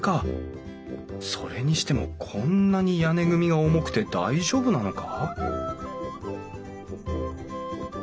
それにしてもこんなに屋根組が重くて大丈夫なのか？